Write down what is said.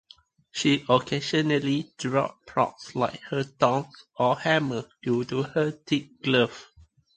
She occasionally dropped props like her tongs or hammer due to her thick gloves.